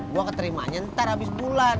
gue keterimanya ntar habis bulan